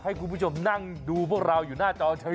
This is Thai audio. ให้คุณผู้ชมนั่งดูพวกเราอยู่หน้าจอเฉย